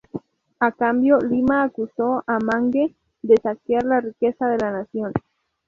A cambio Lima acusó a Mangue de saquear la riqueza de la nación.